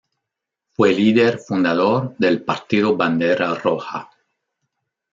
Fue líder fundador del partido Bandera Roja.